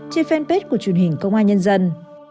trên fanpage của truyền hình công an nhân dân